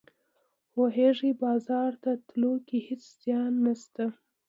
پوهیږې بازار ته تلو کې هیڅ زیان نشته